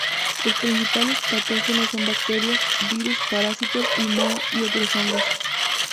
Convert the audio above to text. Los principales patógenos son bacterias, virus, parásitos y moho y otros hongos.